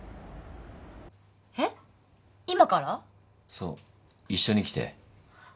そう一緒に来て。